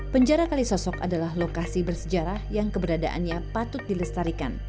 penjara kalisosok adalah lokasi bersejarah yang keberadaannya patut dilestarikan